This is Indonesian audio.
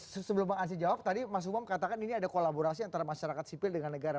sebelum bang ansyi jawab tadi mas umam katakan ini ada kolaborasi antara masyarakat sipil dengan negara